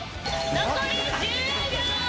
残り１０秒。